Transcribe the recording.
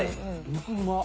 肉うまっ！